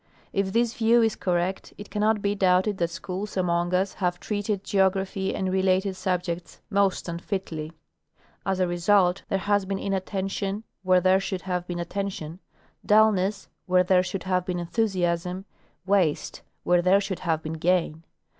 If this view is correct, it cannot be doubted that schools among us have treated geography and related sub jects most unfitly. As a result, there has been inattention where there should have been attention, dullness where there should have been enthusiasm, waste where there should have been gain.